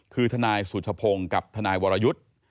คือทนายสุชพงศ์กับทนายวรยุทธ์